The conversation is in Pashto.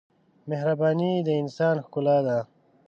مهرباني د انسان ښکلا ده.